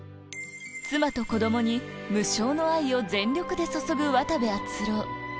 妻と子供に無償の愛を全力で注ぐ渡部篤郎